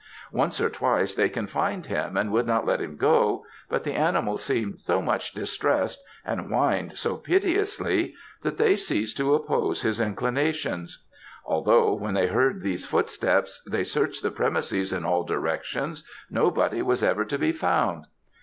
Once or twice they confined him and would not let him go; but the animal seemed so much distressed and whined so piteously, that they ceased to oppose his inclinations. Although when they heard these footsteps they searched the premises in all directions, nobody was ever to be found.